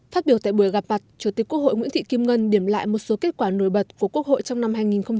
phát biểu tại buổi gặp mặt chủ tịch quốc hội nguyễn thị kim ngân điểm lại một số kết quả nổi bật của quốc hội trong năm hai nghìn hai mươi